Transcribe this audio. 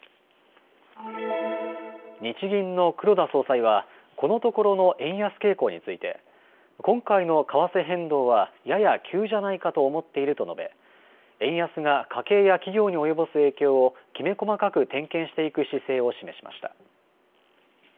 日銀の黒田総裁はこのところの円安傾向について今回の為替変動はやや急じゃないかと思っていると述べ円安が家計や企業に及ぼす影響をきめ細かく点検していく姿勢を示しました。